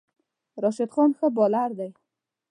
راشد خان ښه بالر دی